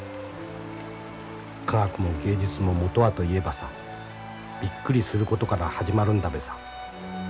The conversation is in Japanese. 科学も芸術も元はといえばさビックリすることから始まるんだべさ。